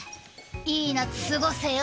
いい夏過ごせよ。